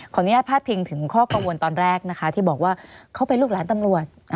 อนุญาตพาดพิงถึงข้อกังวลตอนแรกนะคะที่บอกว่าเขาเป็นลูกหลานตำรวจ